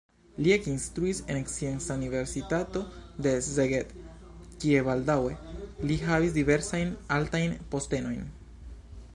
Li ekinstruis en Scienca Universitato de Szeged, kie baldaŭe li havis diversajn altajn postenojn.